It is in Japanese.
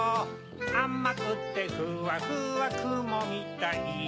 あまくてふわふわくもみたい